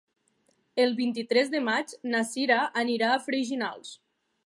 El vint-i-tres de maig na Cira anirà a Freginals.